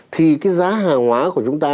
thì cái giá hàng hóa của chúng ta